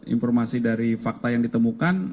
informasi dari fakta yang ditemukan